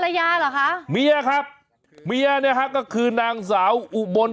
ภรรยาเหรอคะเมื่อครับเมื่อนี่ครับก็คือนางสาวอุบล